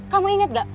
kamu inget gak